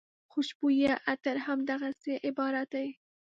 خوشبویه عطر همدغسې عبارت دی.